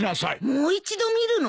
もう一度見るの？